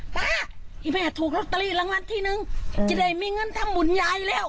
ป้าอีแม่ถูกลอตเตอรี่รางวัลที่หนึ่งจะได้มีเงินทำบุญยายแล้ว